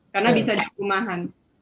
karena bisa diumahan